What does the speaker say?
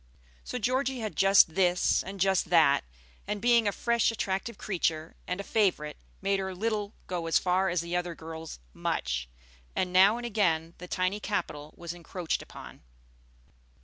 So Georgie had "just this" and "just that," and being a fresh attractive creature, and a favorite, made her little go as far as the other girls' much, and now and again the tiny capital was encroached upon.